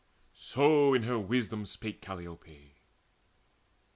So in her wisdom spake Calliope.